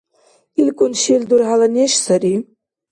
ИлкӀун шел дурхӀяла неш сари.